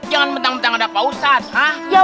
jangan betang betang ada postat ha